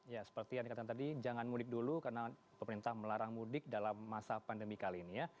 ya seperti yang dikatakan tadi jangan mudik dulu karena pemerintah melarang mudik dalam masa pandemi kali ini ya